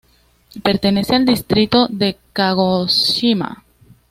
Pertenece al distrito de Kagoshima.